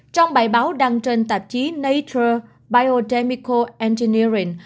trong bài báo đăng trên tạp chí nature biotechnical engineering